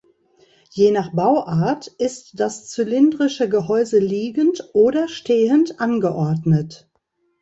Je nach Bauart ist das zylindrische Gehäuse liegend oder stehend angeordnet.